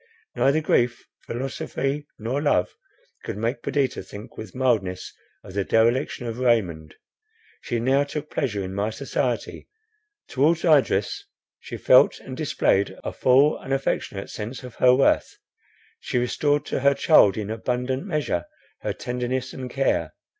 Neither grief, philosophy, nor love could make Perdita think with mildness of the dereliction of Raymond. She now took pleasure in my society; towards Idris she felt and displayed a full and affectionate sense of her worth—she restored to her child in abundant measure her tenderness and care.